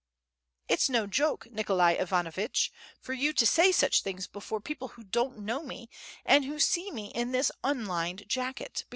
"It's no joke, Nikolai Ivanovitch, for you to say such things before people who don't know me and who see me in this unlined jacket